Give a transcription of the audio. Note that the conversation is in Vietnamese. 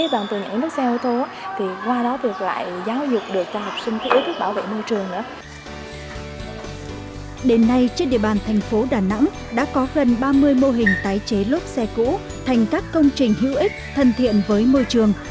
đến nay trên địa bàn thành phố đà nẵng đã có gần ba mươi mô hình tái chế lốp xe cũ thành các công trình hữu ích thân thiện với môi trường